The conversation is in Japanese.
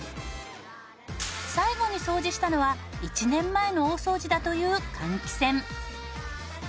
最後に掃除したのは１年前の大掃除だという換気扇。